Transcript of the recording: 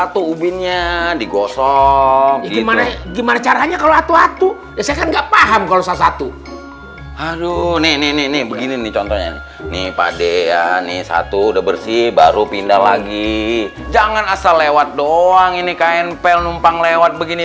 terima kasih udah bersih baru pindah lagi jangan asal lewat doang ini kain pel numpang lewat begini